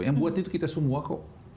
yang buat itu kita semua kok